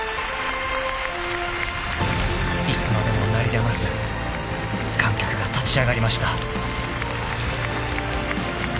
［いつまでも鳴りやまず観客が立ち上がりました］